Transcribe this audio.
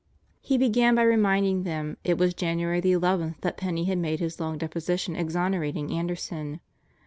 He began by reminding them It was January the eleventh that Penney had made his long deposition exonerating Anderson.